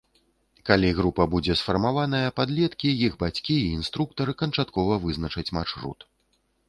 Калі група будзе сфармаваная, падлеткі, іх бацькі і інструктар канчаткова вызначаць маршрут.